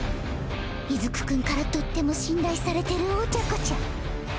出久くんからとっても信頼されてるお茶子ちゃん